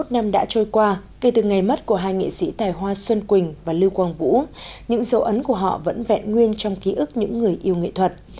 hai mươi năm năm đã trôi qua kể từ ngày mất của hai nghệ sĩ tài hoa xuân quỳnh và lưu quang vũ những dấu ấn của họ vẫn vẹn nguyên trong ký ức những người yêu nghệ thuật